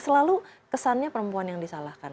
selalu kesannya perempuan yang disalahkan